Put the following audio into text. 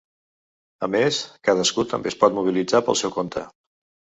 A més, cadascú també es pot mobilitzar pel seu compte.